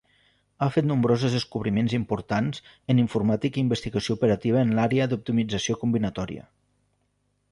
Ha fet nombrosos descobriments importants en informàtica i investigació operativa en l'àrea d'optimització combinatòria.